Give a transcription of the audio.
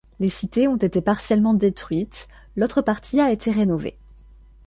Les cités ont été partiellement détruites, l'autre partie a été rénovée.